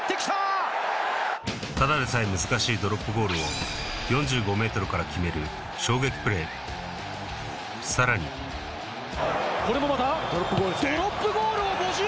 ただでさえ難しいドロップゴールを４５ｍから決める衝撃プレーさらにこれもまた？